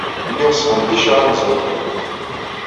Lliɣ sxenticeɣ anzaren-inu.